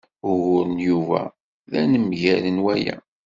Ugur n Yuba d anemgal n waya.